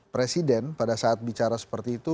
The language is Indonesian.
presiden pada saat bicara seperti itu